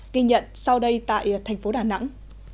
ghi nhận sau đây tại thành phố đà nẵng